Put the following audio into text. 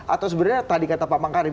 atau sebenarnya tadi kata pak makarim